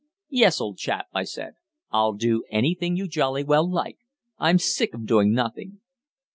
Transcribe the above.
"Yes, old chap," I said, "I'll do anything you jolly well like. I'm sick of doing nothing."